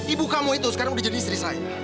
ibu kamu itu sekarang udah jadi istri saya